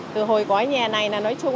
từ hồi có nhà này là nói chung